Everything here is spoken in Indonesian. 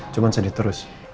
cuman sedih terus